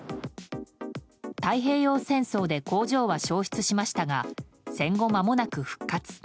太平洋戦争で工場は焼失しましたが戦後まもなく復活。